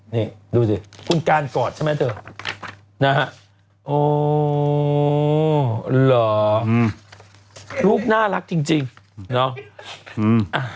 นี่ดูดิคุณก้านกอดใช่ไหมเถอะนะฮะโอ้หลอซึ่งเนาะอืมอ่ะ